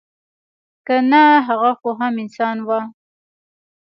که نه هغه خو هم انسان وه.